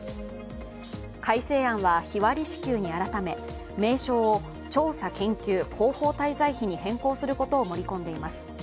改正案は日割り支給に改め、名称を調査研究広報滞在費に変更することを盛り込んでいます。